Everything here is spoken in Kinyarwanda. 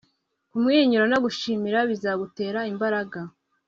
kumwenyura no gushimira bizagutera imbaraga